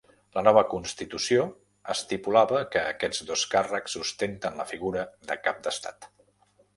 La nova constitució estipulava que aquests dos càrrecs ostenten la figura de cap d'estat.